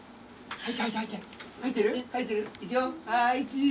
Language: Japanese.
はい！